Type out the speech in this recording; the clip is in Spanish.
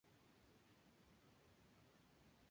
Se licenció en Filosofía, Teología, Derecho Canónico y Civil.